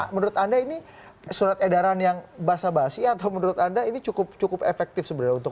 menurut anda ini surat edaran yang basa basi atau menurut anda ini cukup efektif sebenarnya